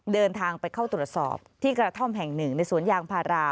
เดินทางไปเข้าตรวจสอบที่กระท่อมแห่งหนึ่งในสวนยางพารา